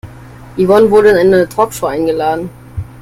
Yvonne wurde in eine Talkshow eingeladen.